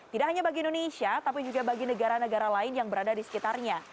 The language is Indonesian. tidak hanya bagi indonesia tapi juga bagi negara negara lain yang berada di sekitarnya